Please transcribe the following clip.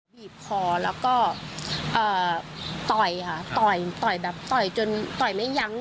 บีบคอแล้วก็ต่อยค่ะต่อยต่อยแบบต่อยจนต่อยไม่ยั้ง